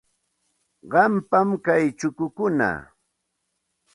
Qampam kay chukukuna.